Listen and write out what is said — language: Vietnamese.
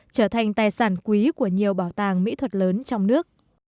trở thành tài sản quý của nhiều bảo tàng mỹ thuật lớn trong nước